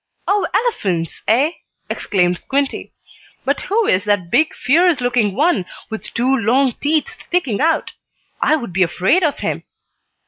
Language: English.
"Oh, elephants, eh!" exclaimed Squinty. "But who is that big, fierce looking one, with two long teeth sticking out. I would be afraid of him."